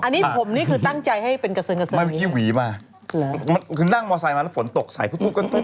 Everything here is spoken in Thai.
อันนี้ผมนี่คือตั้งใจให้เป็นกระซึนอย่างนี้คือนั่งมอเซลล์มาแล้วฝนตกใส่พรุ่งก็อีกนิดนึง